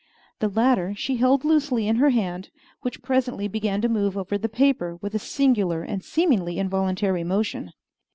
The latter she held loosely in her hand, which presently began to move over the paper with a singular and seemingly involuntary motion.